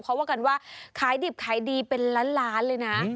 เขาว่ากันว่าขายดิบขายดีเป็นล้านล้านเลยนะ